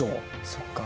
そっか。